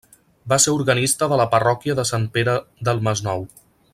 Va ser organista de la parròquia de Sant Pere del Masnou.